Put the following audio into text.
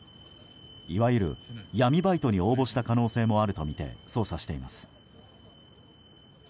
いわゆる闇バイトに応募した可能性もあるとみて捜査しています。